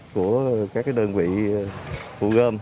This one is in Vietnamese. của các đơn vị thu gom